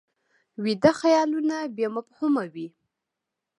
ویده خیالونه بې مفهومه وي